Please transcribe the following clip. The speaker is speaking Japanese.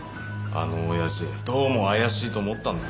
あの親父どうも怪しいと思ったんだ。